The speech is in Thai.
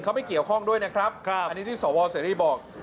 เขาไม่เกี่ยวข้องด้วยนะครับอันนี้ที่สวเสรีบอก